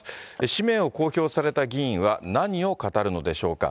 氏名を公表された議員は何を語るのでしょうか。